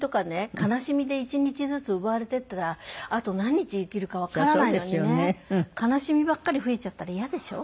悲しみで１日ずつ奪われていったらあと何日生きるかわからないのにね悲しみばっかり増えちゃったら嫌でしょ。